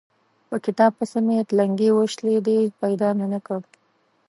په کتاب پسې مې تلنګې وشلېدې؛ پيدا مې نه کړ.